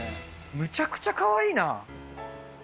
めちゃくちゃかわいいな。